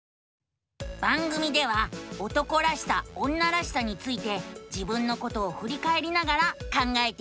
番組では「男らしさ女らしさ」について自分のことをふりかえりながら考えているのさ。